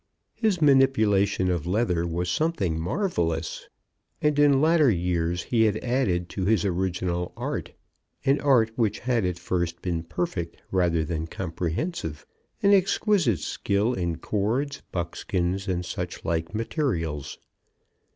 His manipulation of leather was something marvellous; and in latter years he had added to his original art, an art which had at first been perfect rather than comprehensive, an exquisite skill in cords, buckskins, and such like materials.